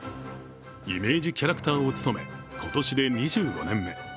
イメージキャラクターを務め、今年で２５年目。